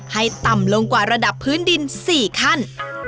ให้ต่ำลงกว่าระดับพื้นดิน๔ขั้น